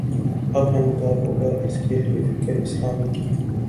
اب نمودار ہوگا اس کے لیے فکر اسلامی کی